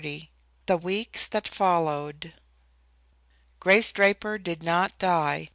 XXX THE WEEKS THAT FOLLOWED Grace Draper did not die.